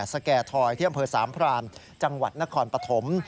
สแก่ทอยที่อำเภอสามพรามจังหวัดนครปฐม